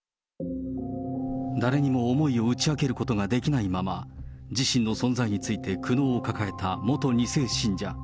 誰にも思いを打ち明けることができないまま、自身の存在について苦悩を抱えた元２世信者。